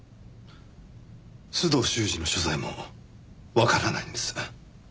須藤修史の所在もわからないんです。